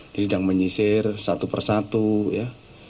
dia sedang menyisir satu persatu ya